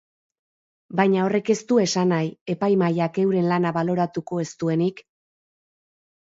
Baina horrek ez du esan nahi epaimahaiak euren lana baloratuko ez duenik.